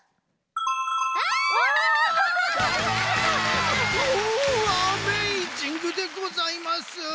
おアメイジングでございます！